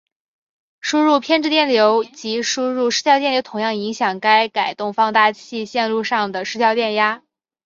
输入偏置电流及输入失调电流同样影响该差动放大器线路上的失调电压。